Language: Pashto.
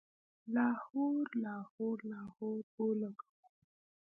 لاهور، لاهور، لاهور اولګوو